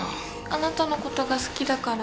あなたのことが好きだから。